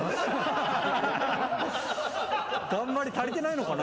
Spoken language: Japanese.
あんまり足りてないのかな。